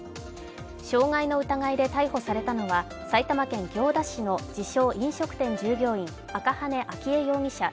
傷害の疑いで逮捕されたのは埼玉県行田市の自称・飲食店従業員、赤羽純依容疑者